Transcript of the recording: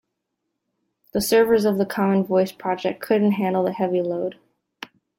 The servers of the common voice project couldn't handle the heavy load.